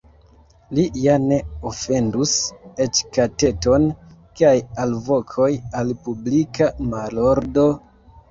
Li ja ne ofendus eĉ kateton, kiaj alvokoj al publika malordo?